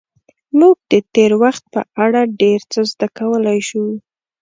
موږ د تېر وخت په اړه ډېر څه زده کولی شو.